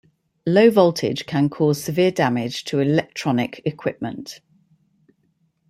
Low voltage can cause severe damage to electronic equipment.